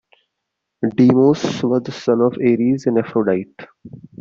Deimos was the son of Ares and Aphrodite.